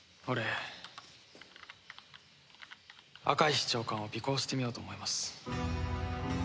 俺赤石長官を尾行してみようと思います。